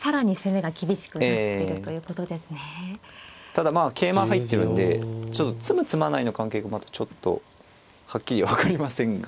ただまあ桂馬入ってるんで詰む詰まないの関係がまだちょっとはっきり分かりませんが。